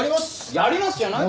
やりますじゃないだろ！